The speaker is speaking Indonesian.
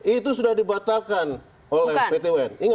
itu sudah dibatalkan oleh pt un